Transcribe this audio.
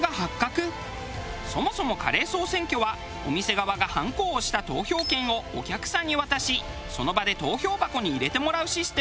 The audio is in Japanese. そもそもカレー総選挙はお店側がハンコを押した投票券をお客さんに渡しその場で投票箱に入れてもらうシステム。